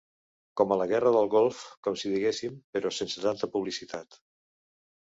Com a la Guerra del Golf, com si diguéssim, però sense tanta publicitat.